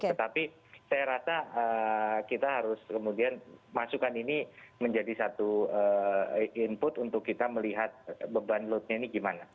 tetapi saya rasa kita harus kemudian masukan ini menjadi satu input untuk kita melihat beban loadnya ini gimana